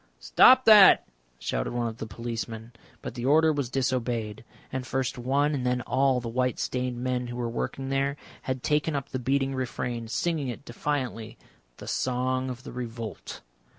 "Stop that!" shouted one of the policemen, but the order was disobeyed, and first one and then all the white stained men who were working there had taken up the beating refrain, singing it defiantly the Song of the Revolt.